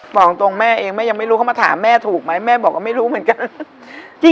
บอกตรงแม่เองแม่ยังไม่รู้เขามาถามแม่ถูกไหมแม่บอกว่าไม่รู้เหมือนกัน